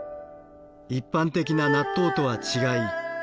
一般的な納豆とは違い